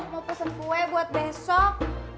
mau pesen kue buat besok